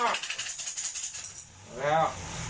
หมดแล้ว